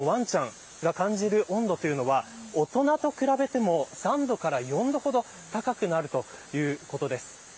子どもだったりペットのワンちゃんが感じる温度というのは大人と比べても３度から４度ほど高くなるということです。